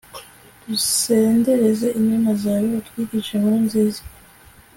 dusendereze inema zawe, utwigishe inkuru nziza